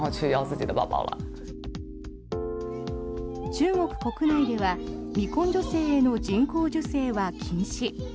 中国国内では未婚女性への人工授精は禁止。